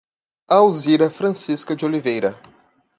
Alzira Francisca de Oliveira